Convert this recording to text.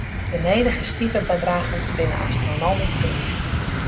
De nedige stipebedraggen binne astronomysk groeid.